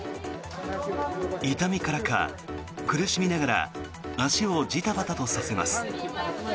痛みからか、苦しみながら足をじたばたとさせます。